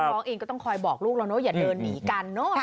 น้องเองก็ต้องคอยบอกลูกแล้วนะว่าอย่าเดินหนีกันเนอะ